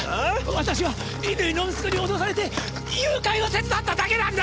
私は乾の息子に脅されて誘拐を手伝っただけなんだ！